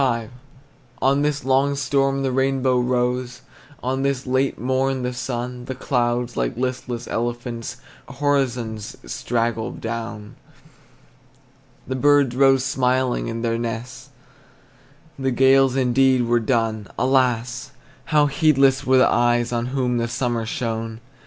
V. On this long storm the rainbow rose, On this late morn the sun; The clouds, like listless elephants, Horizons straggled down. The birds rose smiling in their nests, The gales indeed were done; Alas! how heedless were the eyes On whom the summer shone!